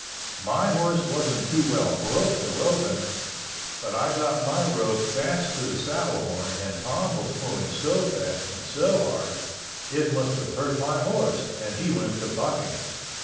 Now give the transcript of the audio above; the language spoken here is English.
My horse wasn't too well broke to roping, but I got my rope fast to the saddle horn and Tom was pulling so fast and so hard, it must of hurt my horse and he went to bucking.